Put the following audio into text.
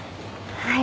はい。